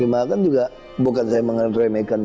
maka kan juga bukan saya mengatakan